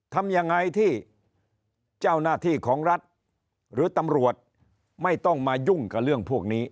ทำยังไงที่เจ้าหน้าที่ของรัฐหรือตำรวจไม่ต้องมายุ่งกับเรื่องพวกนี้